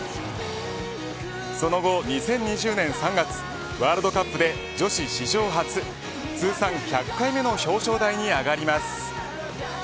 その後２０２０年３月ワールドカップで女子史上初通算１００回目の表彰台に上がります。